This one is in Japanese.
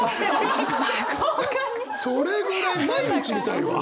それぐらい毎日見たいわ。